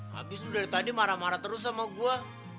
habis itu dari tadi marah marah terus sama gue